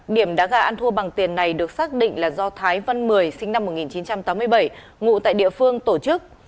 điểm đá gà ăn thua bằng tiền này được xác định là do thái văn mười sinh năm một nghìn chín trăm tám mươi bảy ngụ tại địa phương tổ chức